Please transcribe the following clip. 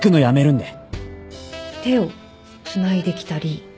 手をつないできたり。